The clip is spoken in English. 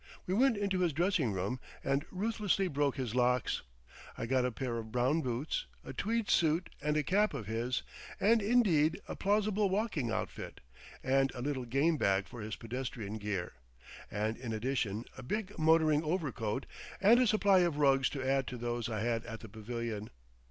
We went into his dressing room and ruthlessly broke his locks. I got a pair of brown boots, a tweed suit and a cap of his, and indeed a plausible walking outfit, and a little game bag for his pedestrian gear; and, in addition, a big motoring overcoat and a supply of rugs to add to those I had at the pavilion.